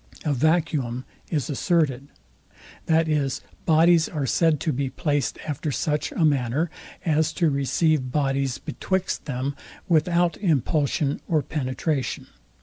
A vacuum is asserted: That is, bodies are said to be placed after such a manner, is to receive bodies betwixt them, without impulsion or penetration.